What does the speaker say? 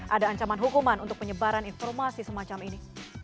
ada ancaman hukuman untuk penyebaran informasi semacam ini